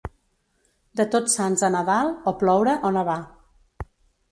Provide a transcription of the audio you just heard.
De Tots Sants a Nadal, o ploure o nevar.